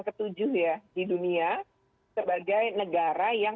ketujuh ya di dunia sebagai negara yang